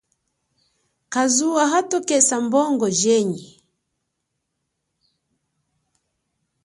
Kazuwa hatokesa bongo jenyi.